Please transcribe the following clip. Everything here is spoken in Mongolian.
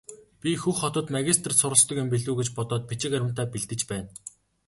Би Хөх хотод магистрт суралцдаг юм билүү гэж бодоод бичиг баримтаа бэлдэж байна.